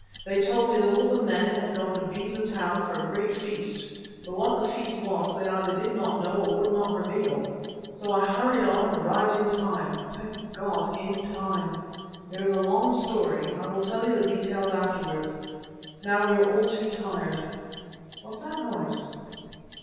They told me that all the men had gone to Beza Town for a great feast, but what the feast was they either did not know or would not reveal. So I hurried on and arrived in time thank God in time! It is a long story; I will tell you the details afterwards. Now we are all too tired. What's that noise?"